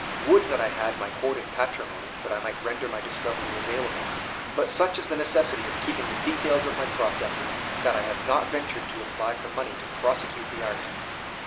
Would that I had my hoarded patrimony, that I might render my discovery available! But such is the necessity of keeping the details of my processes, that I have not ventured to apply for money to prosecute the art."